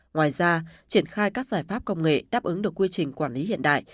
ngoài ra triển khai các giải pháp công nghệ đáp ứng được quy trình quản lý hiện đại